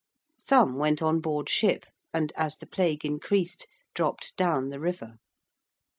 Some went on board ship and, as the Plague increased, dropped down the river.